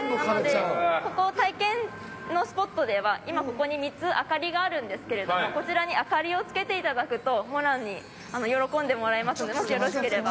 ここ体験のスポットでは今ここに３つ明かりがあるんですけれどもこちらに明かりをつけて頂くとモランに喜んでもらえますのでもしよろしければ。